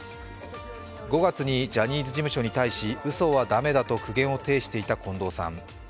５月にジャニーズ事務所に対し、うそは駄目だと苦言を呈していた近藤さん。